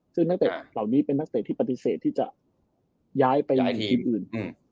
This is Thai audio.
ซึ่งนักเตะเหล่านี้เป็นนักเตะที่ปฏิเสธที่จะย้ายไปทีมอื่น